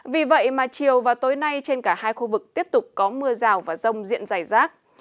vì vậy mà chiều và tối nay trên cả hai khu vực tiếp tục có mưa rào và rông diện dài rác